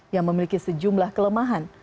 yang memiliki sejumlah kelemahan